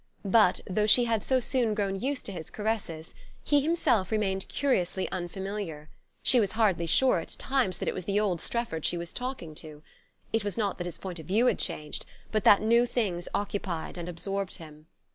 But, though she had so soon grown used to his caresses, he himself remained curiously unfamiliar: she was hardly sure, at times, that it was the old Strefford she was talking to. It was not that his point of view had changed, but that new things occupied and absorbed him.